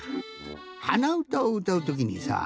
はなうたをうたうときにさ。